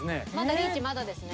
リーチまだですね。